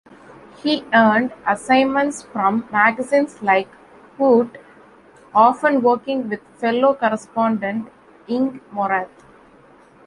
He earned assignments from magazines like "Heute", often working with fellow correspondent Inge Morath.